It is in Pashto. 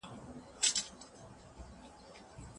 ترافيکي قوانين مراعات کړئ.